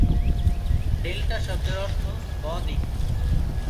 Delta শব্দের অর্থ বদ্বীপ।